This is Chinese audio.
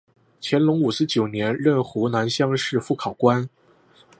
乾隆五十九年任湖南乡试副考官。